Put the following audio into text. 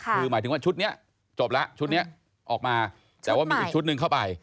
คือหมายถึงว่าชุดนี้จบแล้วชุดนี้ออกมาแต่ว่ามีอีกชุดหนึ่งเข้าไป